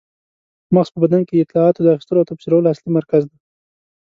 مغز په بدن کې د اطلاعاتو د اخیستلو او تفسیرولو اصلي مرکز دی.